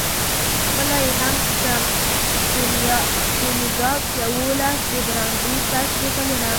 خپله یې هم څښم، کونیګاک، یوولس د برانډي تش بوتلونه.